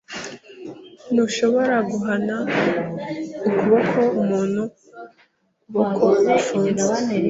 Ntushobora guhana ukuboko umuntu ukuboko gufunze.